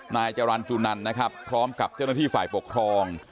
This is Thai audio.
นายจรรย์จูนันนะครับพร้อมกับเจ้าหน้าที่ฝ่ายปกครอง